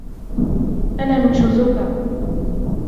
أنا من شزوكا.